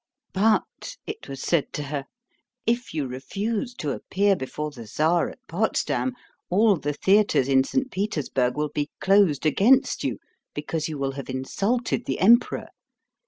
"But," it was said to her, "if you refuse to appear before the Czar at Potsdam all the theaters in St. Petersburg will be closed against you, because you will have insulted the emperor.